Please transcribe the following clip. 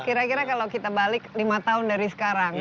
kira kira kalau kita balik lima tahun dari sekarang